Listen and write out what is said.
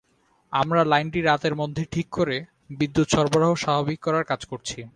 আমরা লাইনটি রাতের মধ্যে ঠিক করে বিদ্যুৎ সরবরাহ স্বাভাবিক করার কাজ করছি।